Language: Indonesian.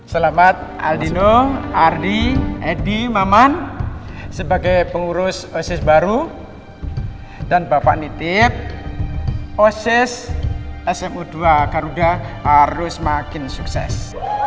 selamat aldino ardi edi maman sebagai pengurus osis baru dan bapak nitip osis sfo dua garuda harus makin sukses